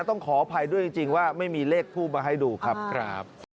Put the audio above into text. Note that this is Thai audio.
ต้องขออภัยด้วยจริงว่าไม่มีเลขทูบมาให้ดูครับ